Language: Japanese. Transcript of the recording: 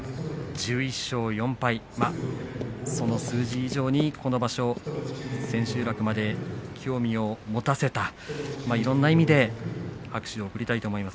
１１勝４敗その数字以上にこの場所、千秋楽まで興味を持たせたいろいろな意味で拍手を送りたいと思います